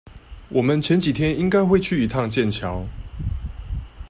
我們前幾天應該會去一趟劍橋